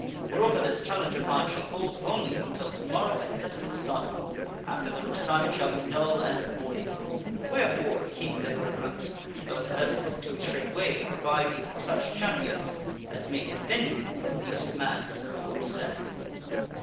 Moreover, this challenge of mine shall hold only until to morrow at set of sun ; after the which time it shall be null and void. Wherefore, King Leodegrance, thou hadst best look to it straightway to provide thee with such cham pions as may defend thee from these demands aforesaid."